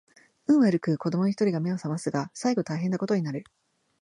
運悪く子供の一人が眼を醒ますが最後大変な事になる